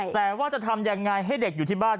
แต่ว่าจะทำยังไงให้เด็กอยู่ที่บ้าน